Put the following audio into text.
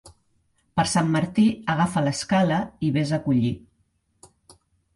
Per Sant Martí, agafa l'escala i ves a collir.